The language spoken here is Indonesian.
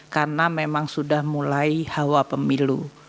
karena memang sudah mulai hawa pemilu